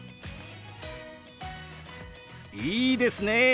いいですね！